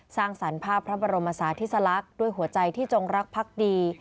สร้างสรรค์ภาพพระบรมศาธิสลักษณ์ด้วยหัวใจที่จงรักพักดี